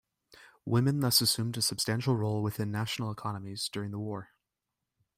Women thus assumed a substantial role within national economies during the war.